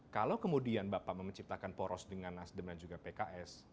kalau kemudian bapak mau menciptakan poros dengan nasdem dan juga pks